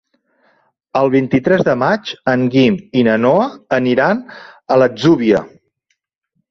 El vint-i-tres de maig en Guim i na Noa aniran a l'Atzúbia.